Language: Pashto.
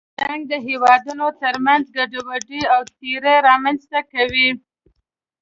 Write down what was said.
جنګ د هېوادونو تر منځ ګډوډي او تېرې رامنځته کوي.